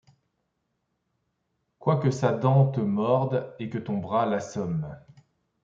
Quoique sa dent te morde et que ton bras l’assomme